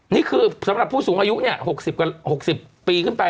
นี่คือสำหรับผู้สูงอายุ๖๐ปีขึ้นไป